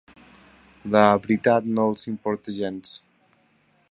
La veritat no els importa gens.